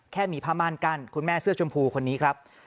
แค่มีผ้าม่านกั้นคุณแม่เสื้อชมพูคนนี้ครับ